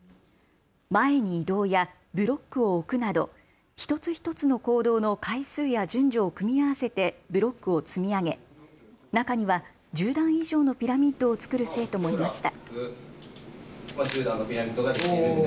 前に移動やブロックを置くなど一つ一つの行動の回数や順序を組み合わせてブロックを積み上げ中には１０段以上のピラミッドをつくる生徒もいました。